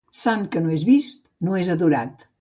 Sant que no és vist, no és adorat.